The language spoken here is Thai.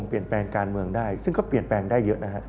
เปลี่ยนแปลงการเมืองได้ซึ่งก็เปลี่ยนแปลงได้เยอะนะฮะ